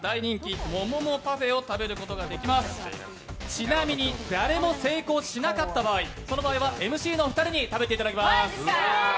ちなみに誰も成功しなかった場合、ＭＣのお二人に食べていただきます。